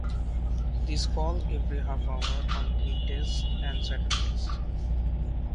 These call every half-hour on weekdays and Saturdays.